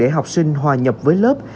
học sinh hòa nhập với lớp